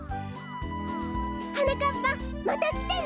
はなかっぱまたきてね！